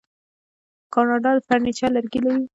کاناډا د فرنیچر لرګي لري.